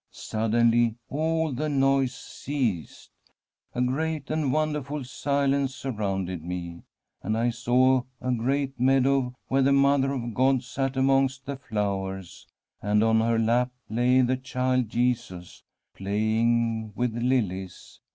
Suddenly all the noise ceased, a F eat and wonderiul silence surrounded me, and saw a great meadow, where the Mother of God sat amongst the flowers, and on her lap lay the Child Jesus, playing with lilies.